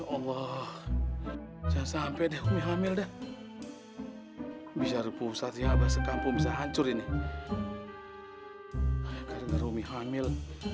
allah sampai hamil bisa reputasi abah sekampung bisa hancur ini hamil